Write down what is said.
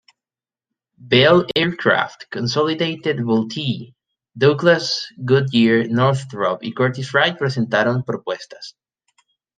Bell Aircraft, Consolidated-Vultee, Douglas, Goodyear, Northrop y Curtiss Wright presentaron propuestas.